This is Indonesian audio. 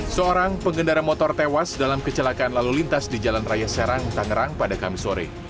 seorang pengendara motor tewas dalam kecelakaan lalu lintas di jalan raya serang tangerang pada kamis sore